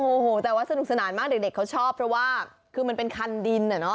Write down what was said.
โอ้โหแต่ว่าสนุกสนานมากเด็กเขาชอบเพราะว่าคือมันเป็นคันดินอ่ะเนอ